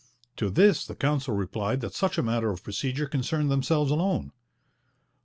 To this the Council replied that such a matter of procedure concerned themselves alone.